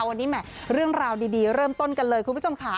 วันนี้แหม่เรื่องราวดีเริ่มต้นกันเลยคุณผู้ชมค่ะ